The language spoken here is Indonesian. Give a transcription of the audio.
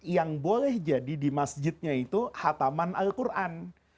yang boleh jadi di masjidnya itu khataman al quran